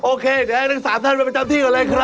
โอเคเดี๋ยวให้ทั้ง๓ท่านไปประจำที่ก่อนเลยครับ